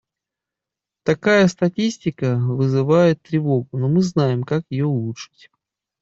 Такая статистика вызывает тревогу, но мы знаем, как ее улучшить.